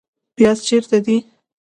پیاز چیرته دي؟